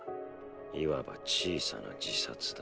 いわば小さな自殺だ。